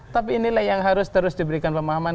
tapi inilah yang harus terus diberikan pemahaman